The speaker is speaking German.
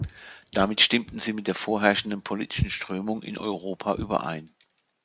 Damit stimmten sie mit der vorherrschenden politischen Strömung in Europa überein.